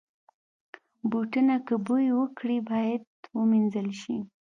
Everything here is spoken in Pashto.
بوټونه که بوی وکړي، باید وینځل شي.